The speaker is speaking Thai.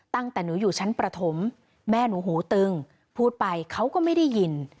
ตั้งแต่หนูอยู่ชั้นประถมแม่หนูหูตึงพูดไปเขาก็ไม่ได้ยิน